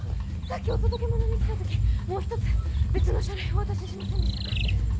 さっきお届け物に来た時もう一つ別の書類お渡ししませんでしたか？